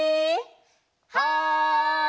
はい！